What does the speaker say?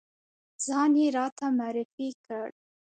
ځان یې راته معرفی کړ.